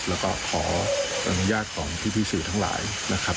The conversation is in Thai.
และก็ขออนุญาตกับพี่พีซู่ทั้งหลายนะครับ